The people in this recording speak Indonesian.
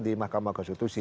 di makam konstitusi